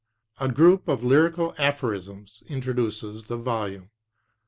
A group of lyrical aphorisms introduces the volume.